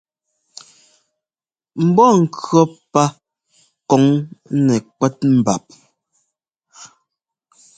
Mbɔ́ŋkʉ̈ɔ́ pá kɔŋ nɛkwɛ́t mbap.